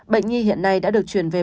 bệnh nhi hiện nay đã được chuyển về